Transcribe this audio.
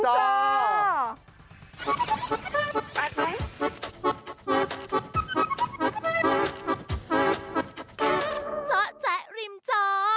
เจาะแจ๊ะริมจอ